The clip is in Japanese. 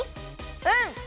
うん。